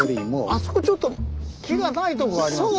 あそこちょっと木がないとこがありますね。